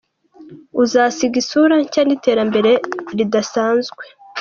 Uzasiga isura nshya n’iterambere ridasanzwe.